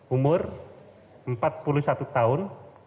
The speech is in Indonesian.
umur empat puluh satu tahun